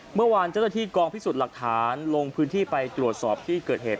เมื่อวานเจ้าหน้าที่กองพิสูจน์หลักฐานลงพื้นที่ไปตรวจสอบที่เกิดเหตุ